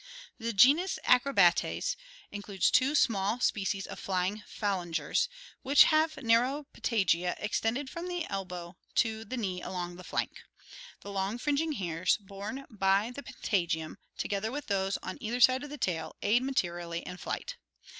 The genus Acrobates includes two small species of flying phalan gers which have narrow patagia* extending from the elbow to the knee along the flank. The long fringing hairs borne by the pata gium, together with those on either side of the tail, aid materially in flight.